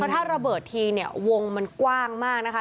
ถ้าระเบิดทีเนี่ยวงมันกว้างมากนะคะ